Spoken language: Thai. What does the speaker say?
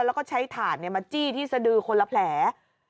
แล้วก็ใช้ถาดมาจี้ที่สดือคนละแผล